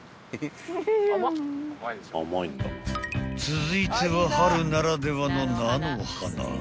［続いては春ならではの］